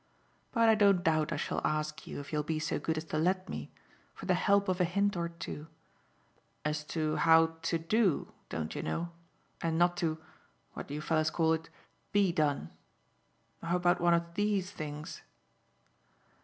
But I don't doubt I shall ask you, if you'll be so good as to let me, for the help of a hint or two: as to how to do, don't you know? and not to what do you fellows call it? BE done. Now about one of THESE things